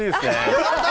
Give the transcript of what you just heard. よかった！